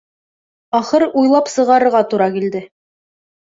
Ахыр, уйлап сығарырға тура килде.